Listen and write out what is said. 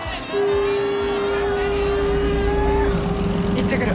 行ってくる。